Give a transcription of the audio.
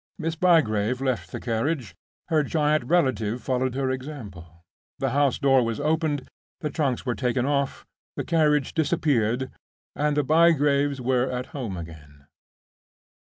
Miss Bygrave left the carriage; her giant relative followed her example; the house door was opened; the trunks were taken off; the carriage disappeared, and the Bygraves were at home again!